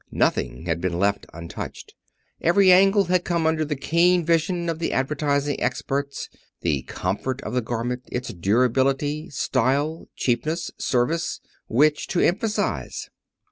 Nothing had been left untouched. Every angle had come under the keen vision of the advertising experts the comfort of the garment, its durability, style, cheapness, service. Which to emphasize?